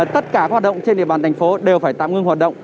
tất cả hoạt động trên địa bàn tp đều phải tạm ngưng hoạt động